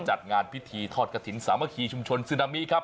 จัดงานพิธีทอดกระถิ่นสามัคคีชุมชนซึนามิครับ